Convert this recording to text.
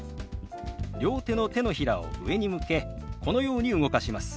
両手の手のひらを上に向けこのように動かします。